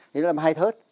thì nó làm hai thớt